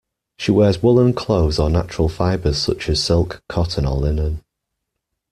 She wears woollen clothes or natural fibres such as silk, cotton or linen.